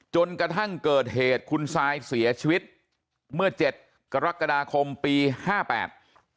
จนกระทั่งเกิดเหตุคุณซายเสียชีวิตเมื่อเจ็ดกรกฎาคมปีห้าแปด